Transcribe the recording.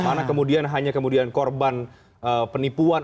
mana kemudian hanya kemudian korban penipuan